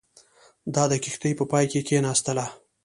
دا د کښتۍ په پای کې کښېناستله.